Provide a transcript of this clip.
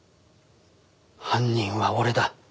犯人は俺だ。